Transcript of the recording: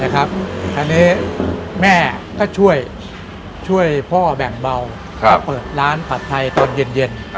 คราวนี้แม่ก็ช่วยพ่อแบ่งเบาก็เปิดร้านผัดไทยตอนเย็น